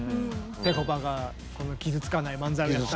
ぺこぱが傷つかない漫才をやったり。